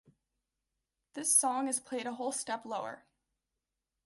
This song is played a whole step lower.